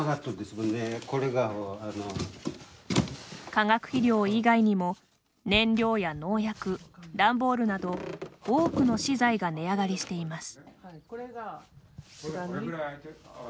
化学肥料以外にも燃料や農薬、段ボールなど多くの資材が値上がりしています。